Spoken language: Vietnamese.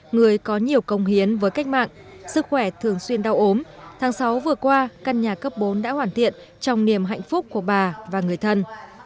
người có nhiều công hiến với cách mạng sức khỏe thường xuyên đau ốm tháng sáu vừa qua căn nhà cấp bốn đã hoàn thiện trong niềm hạnh phúc của bà và người thân